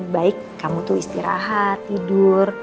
baik kamu istirahat tidur